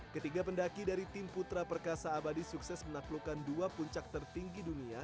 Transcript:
ketiga pendaki dari tim putra perkasa abadi sukses menaklukkan dua puncak tertinggi dunia